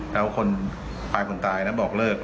แล้วคนฝ่ายผลตายบอกเลิก